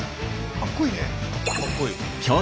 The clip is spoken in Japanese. かっこいい。